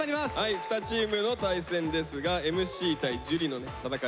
２チームの対戦ですがＭＣ対樹のね戦い